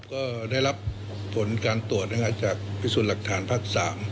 ก็ได้รับผลการตรวจจากพิสูจน์หลักฐานภาค๓